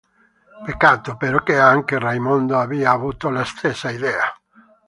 Peccato però che anche Raimondo abbia avuto la stessa idea...